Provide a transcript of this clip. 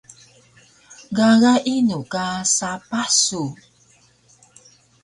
Gaga inu ka sapah su?